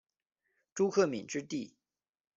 朱克敏之弟。